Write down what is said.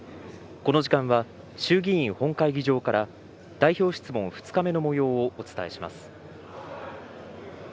この時間は、衆議院本会議場から、代表質問２日目のもようをお伝えします。